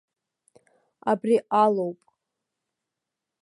Абри алоуп.